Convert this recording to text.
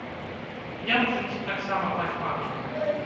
Я ў жыцці таксама так падаў.